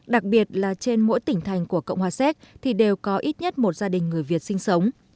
đặc biệt là trên mỗi tỉnh thành của cộng hòa séc thì đều có ít nhất một gia đình người việt sinh sống